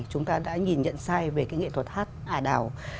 chúng ta đã nhìn nhận sai về cái nghệ thuật hát ả đào